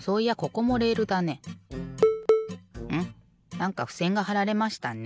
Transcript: なんかふせんがはられましたね。